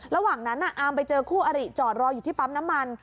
ระหว่างนั้นอามไปเจอคู่อริจอดรออยู่ที่ปั๊มน้ำมัน